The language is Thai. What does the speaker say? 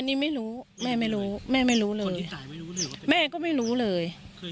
อันนี้ไม่รู้แม่ไม่รู้แม่ไม่รู้เลยคนที่ตายไม่รู้เลยแม่ก็ไม่รู้เลย